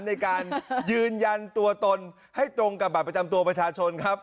ในการยืนยันตัวตนให้ตรงกับบัตรประจำตัวประชาชนครับ